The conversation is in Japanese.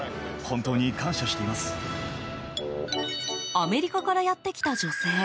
アメリカからやってきた女性。